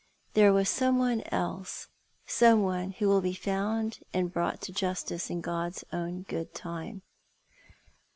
There was some one else— some one who will be found and brought to justice in God's own good time."